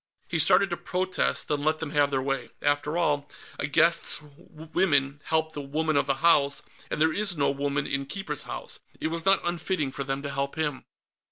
He started to protest, then let them have their way. After all, a guest's women helped the woman of the house, and as there was no woman in Keeper's House, it was not unfitting for them to help him.